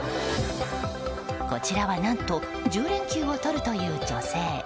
こちらは何と１０連休をとるという女性。